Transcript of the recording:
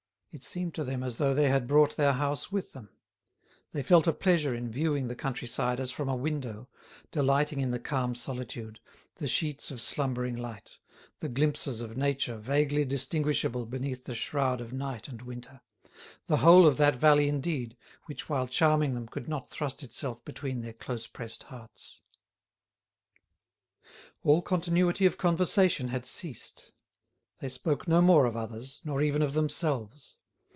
It seemed to them as though they had brought their house with them; they felt a pleasure in viewing the country side as from a window, delighting in the calm solitude, the sheets of slumbering light, the glimpses of nature vaguely distinguishable beneath the shroud of night and winter, the whole of that valley indeed, which while charming them could not thrust itself between their close pressed hearts. All continuity of conversation had ceased; they spoke no more of others, nor even of themselves.